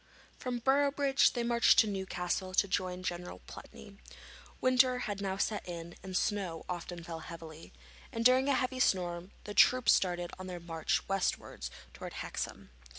From Boroughbridge they marched to Newcastle to join General Pulteney. Winter had now set in, and snow often fell heavily, and during a heavy storm the troops started on their march westwards to Hexham.